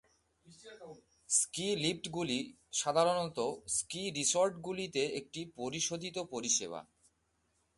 Ski লিফটগুলি সাধারণত ski রিসোর্টগুলিতে একটি পরিশোধিত পরিষেবা।